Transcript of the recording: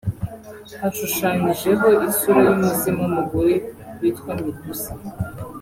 hashushanyijeho isura y’umuzimu w’umugore witwa Medusa